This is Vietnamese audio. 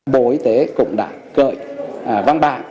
bộ y tế cũng đã gợi văn bản